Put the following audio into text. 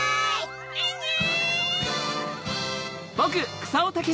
アンアン！